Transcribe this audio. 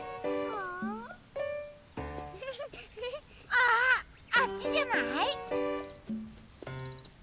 あっあっちじゃない？